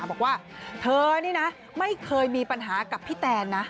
บอกว่าเธอนี่นะไม่เคยมีปัญหากับพี่แตนนะ